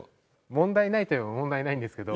問題ないといえば問題ないんですけど。